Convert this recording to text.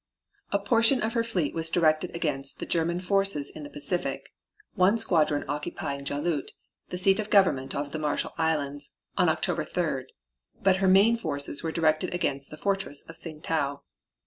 A portion of her fleet was directed against the German forces in the Pacific, one squadron occupying Jaluit, the seat of government of the Marshall Islands, on October 3d, but her main forces were directed against the fortress of Tsing tau.